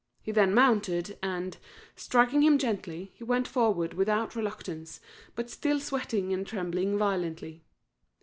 He then mounted, and, striking him gently, he went forward without reluctance, but still sweating and trembling violently.